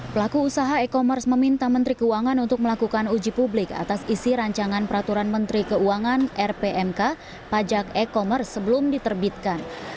pelaku usaha e commerce meminta menteri keuangan untuk melakukan uji publik atas isi rancangan peraturan menteri keuangan rpmk pajak e commerce sebelum diterbitkan